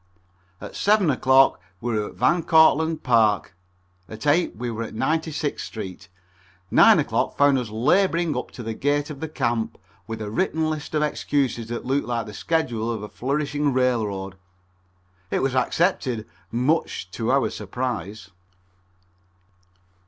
At 7 o'clock we were at Van Cortlandt Park, at 8 we were at Ninety sixth Street, 9 o'clock found us laboring up to the gate of the camp, with a written list of excuses that looked like the schedule of a flourishing railroad. It was accepted, much to our surprise.